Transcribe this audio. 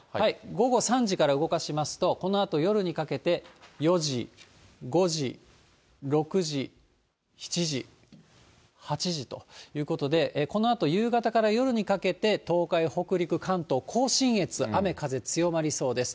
午後３時から動かしますと、このあと夜にかけて、４時、５時、６時、７時、８時ということで、このあと夕方から夜にかけて、東海、北陸、関東甲信越、雨風強まりそうです。